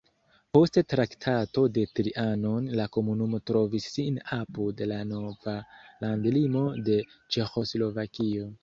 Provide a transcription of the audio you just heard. Post Traktato de Trianon la komunumo trovis sin apud la nova landlimo de Ĉeĥoslovakio.